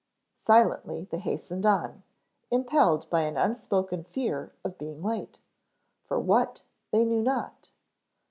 Silently they hastened on, impelled by an unspoken fear of being late, for what they knew not.